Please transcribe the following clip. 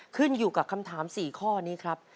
ขึ้นอยู่กับคำถาม๔ข้อนี้ครับ